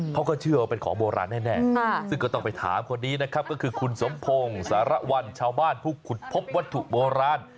เขาก็เชื่อว่าเป็นของโบราณแน่ซึ่งก็ต้องไปถามคนนี้นะครับก็คือคุณสมพงศ์สารวัลชาวบ้านผู้ขุดพบวัตถุโบราณ